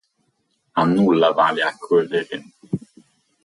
A nulla vale accorrere.